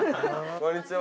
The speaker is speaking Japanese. こんにちは。